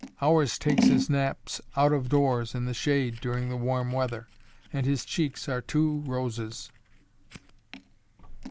Ours takes his naps out of doors in the shade during the warm weather, and his cheeks are two roses.